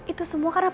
itu semua karena